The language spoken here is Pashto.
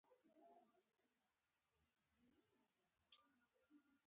فلم باید د مشرانو درناوی وکړي